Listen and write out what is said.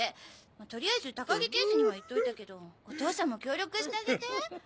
取りあえず高木刑事には言っといたけどお父さんも協力してあげて。